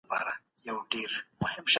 د کولمو د میکروب انډول ساتي.